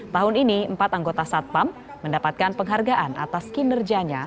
tahun ini empat anggota satpam mendapatkan penghargaan atas kinerjanya